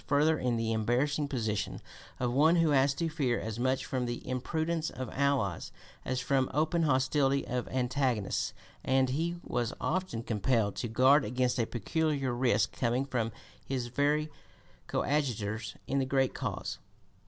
254) further in the embarrassing position of one who has to fear as much from the imprudence of allies as from open hostility of antagonists, and he was often compelled to guard against a peculiar risk coming from his very coadjutors in the great cause.